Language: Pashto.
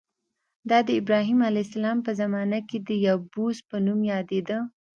دا د ابراهیم علیه السلام په زمانه کې د یبوس په نوم یادېده.